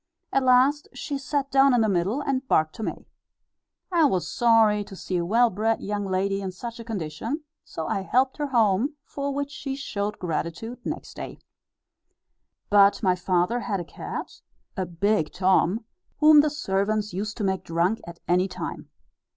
At last she sat down in the middle, and barked to me. I was sorry to see a well bred young lady in such a condition, so I helped her home, for which she showed gratitude next day. (See Note S, Addenda.) But my father had a cat, a big Tom, whom the servants used to make drunk at any time.